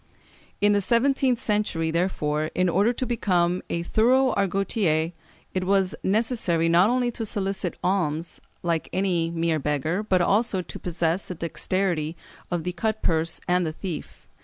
In the seventeenth century, therefore, in order to become a thorough Argotier, it was necessary not only to solicit alms like any mere beggar, but also to possess the dexterity of the cut purse and the thief.